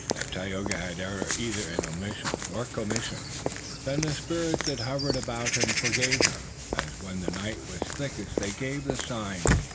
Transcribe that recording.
If Tayoga had erred either in omission or commission then the spirits that hovered about him forgave him, as when the night was thickest they gave the sign.